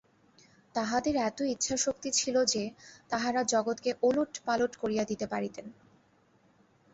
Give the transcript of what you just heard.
তাঁহাদের এত ইচ্ছাশক্তি ছিল যে, তাঁহারা জগৎকে ওলট-পালট করিয়া দিতে পারিতেন।